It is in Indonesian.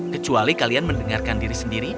kecuali kalian mendengarkan diri sendiri